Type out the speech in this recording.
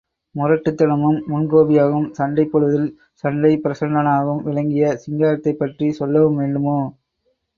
முரட்டுத்தனமும், முன் கோபியாகவும், சண்டைப் போடுவதில் சண்டைப் பிரசண்டனாகவும் விளங்கிய சிங்காரத்தைப் பற்றிச் சொல்லவும் வேண்டுமோ!